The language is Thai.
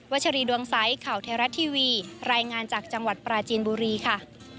ชรีดวงใสข่าวเทราะทีวีรายงานจากจังหวัดปราจีนบุรีค่ะ